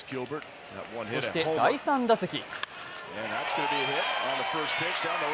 そして第３打席。